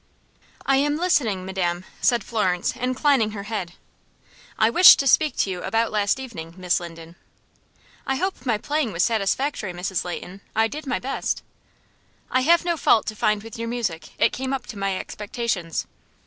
"I am listening, madam," said Florence, inclining her head. "I wish to speak to you about last evening, Miss Linden." "I hope my playing was satisfactory, Mrs. Leighton. I did my best." "I have no fault to find with your music. It came up to my expectations."